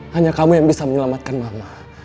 hanya kamu yang bisa menyelamatkan mama